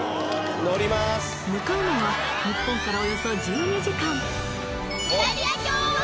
向かうのは日本からおよそ１２時間